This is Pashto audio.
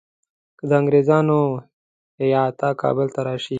که د انګریزانو هیات کابل ته راشي.